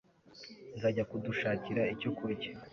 nzajya kudushakira icyo kurya